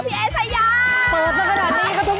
พี่เอส่ายาง